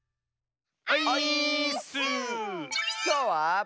きょうは。